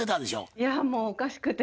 いやもうおかしくて。